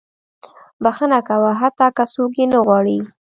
• بښنه کوه، حتی که څوک یې نه غواړي.